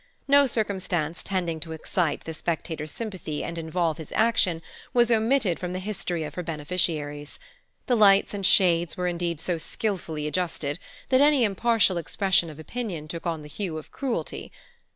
No circumstance tending to excite the spectator's sympathy and involve his action was omitted from the history of her beneficiaries; the lights and shades were indeed so skilfully adjusted that any impartial expression of opinion took on the hue of cruelty.